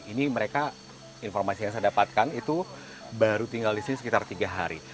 ini mereka informasi yang saya dapatkan itu baru tinggal di sini sekitar tiga hari